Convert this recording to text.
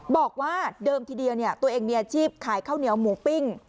บอกว่าเดิมทีเดียวตัวเองมีอาชีพขายข้าวเหนียวหมูปิ้ง